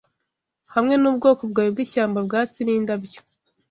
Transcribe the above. hamwe nubwoko bwawe bwishyamba Bwatsi nindabyo